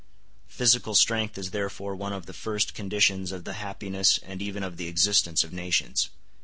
Physical strength is therefore one of the first conditions of the happiness and even of the existence of nations.